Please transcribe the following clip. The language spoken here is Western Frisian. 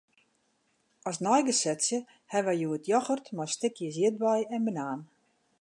As neigesetsje hawwe wy hjoed yochert mei stikjes ierdbei en banaan.